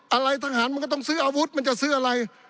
อะไรทหารมันก็ต้องซื้ออาวุธมันจะซื้ออะไร